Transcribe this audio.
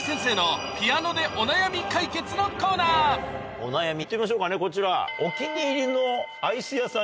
お悩みいってみましょうかねこちら。